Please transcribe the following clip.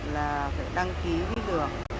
là phải đăng ký đi được